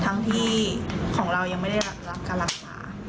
ทั้งที่ของเรายังไม่ได้รับการรักษา